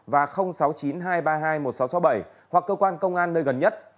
và sáu mươi chín hai trăm ba mươi hai một nghìn sáu trăm sáu mươi bảy hoặc cơ quan công an nơi gần nhất